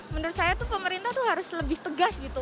menurut saya tuh pemerintah tuh harus lebih tegas gitu